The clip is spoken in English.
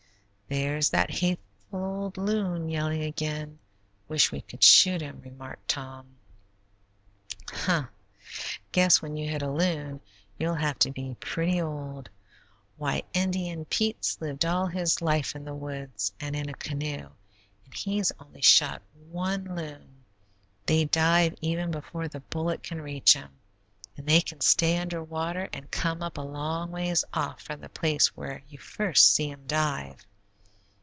"There's that hateful old loon yelling again; wish we could shoot him," remarked Tom. "Hugh, guess when you hit a loon, you'll have to be pretty old. Why, Indian Pete's lived all his life in the woods and in a canoe, and he's only shot one loon; they dive even before the bullet can reach 'em, and they can stay under water and come up a long ways off from the place where you first see 'em dive.